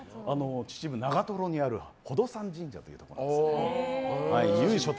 秩父長瀞にある宝登山神社というところです。